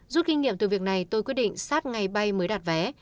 rút kinh nghiệm từ việc này tôi quyết định sát ngày bay mới đặt vé